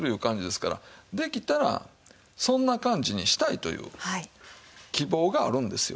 できたらそんな感じにしたいという希望があるんですよ